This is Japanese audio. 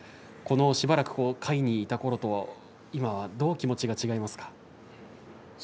しばらく下位にいたころとはどう気持ちが違いますか。